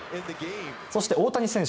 そして、大谷選手